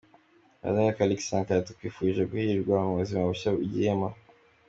Muvandimwe Callixte Sankara tukwifurije guhirwa mubuzima bushya ugiyemo.